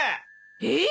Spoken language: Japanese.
えっ！？